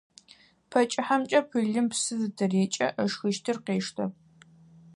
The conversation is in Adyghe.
Пэ кӏыхьэмкӏэ пылым псы зытырекӏэ, ышхыщтыр къештэ.